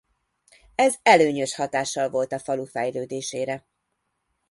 Ez előnyös hatással volt a falu fejlődésére.